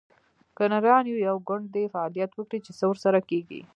که نران یو، یو ګوند دې فعالیت وکړي؟ چې څه ورسره کیږي